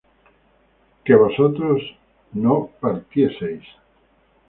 que vosotros no partieseis